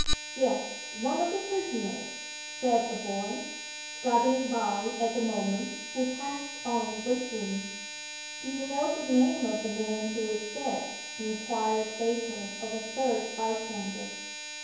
'Yes, one of the prisoners,' said a boy, scudding by at the moment, who passed on whistling. 'Do you know the name of the man who is dead?' inquired Baker of a third bystander.